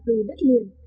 từ đất liền